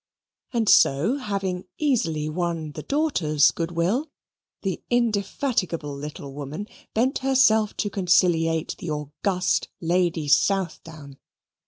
And so having easily won the daughter's good will, the indefatigable little woman bent herself to conciliate the august Lady Southdown.